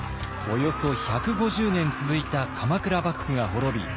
およそ１５０年続いた鎌倉幕府が滅び